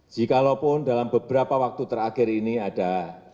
jikalau pun dalam beberapa waktu terakhir ini ada